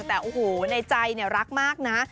แต่ในใจเนี่ยรักมากนะ